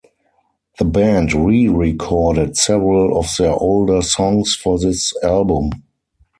The band re-recorded several of their older songs for this album.